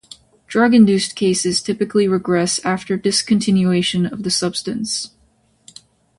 Drug-induced cases typically regress after discontinuation of the substance.